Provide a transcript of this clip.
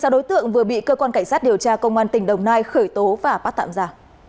sáu đối tượng vừa bị cơ quan cảnh sát điều tra công an tỉnh đồng nai khởi tố và bắt tạm giả